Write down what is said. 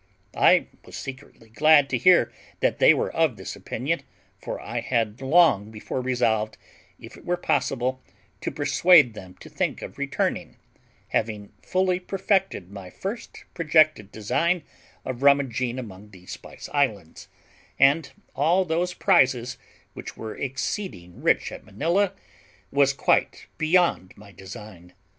I was secretly glad to hear that they were of this opinion, for I had long before resolved, if it were possible, to persuade them to think of returning, having fully perfected my first projected design of rummaging among the Spice Islands; and all those prizes, which were exceeding rich at Manilla, was quite beyond my design.